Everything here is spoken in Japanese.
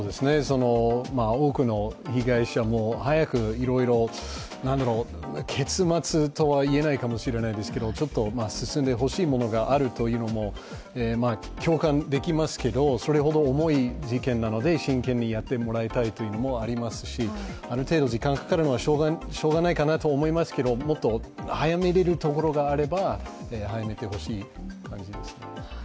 多くの被害者も早く結末とは言えないかもしれないけれどちょっと進んでほしいものがあるというのも共感できますけど、それほど重い事件なので真剣にやってもらいたいというのもありますしある程度時間がかかるのはしようがないかなとは思いますけど、早めることがあるなら早めてほしいと思います。